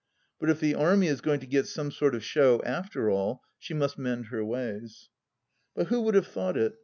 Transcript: But if the Army is going to get some sort of show after all, she must mend her ways. But who would have thought it